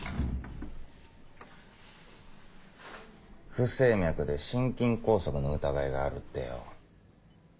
不整脈で心筋梗塞の疑いがあるってよ。